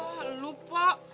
wah lo pak